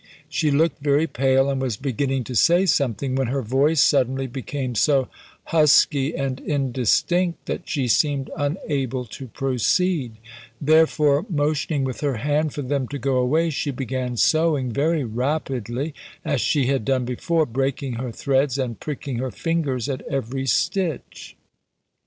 She looked very pale, and was beginning to say something, when her voice suddenly became so husky and indistinct, that she seemed unable to proceed; therefore, motioning with her hand for them to go away, she began sewing very rapidly, as she had done before, breaking her threads, and pricking her fingers, at every stitch.